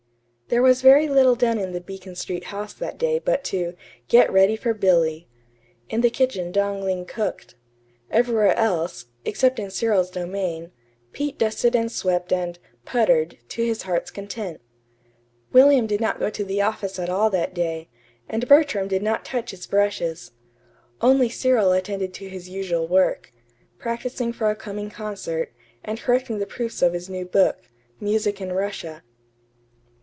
There was very little done in the Beacon Street house that day but to "get ready for Billy." In the kitchen Dong Ling cooked. Everywhere else, except in Cyril's domain, Pete dusted and swept and "puttered" to his heart's content. William did not go to the office at all that day, and Bertram did not touch his brushes. Only Cyril attended to his usual work: practising for a coming concert, and correcting the proofs of his new book, "Music in Russia."